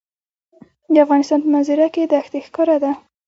د افغانستان په منظره کې دښتې ښکاره ده.